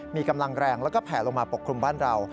มีกำลังแรงแล้วก็แผลลงมาปกคลุมบ้านเรา